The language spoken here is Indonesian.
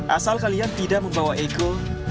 asal kalian tidak membawa ego